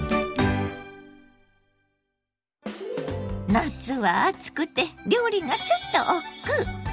夏は暑くて料理がちょっとおっくう。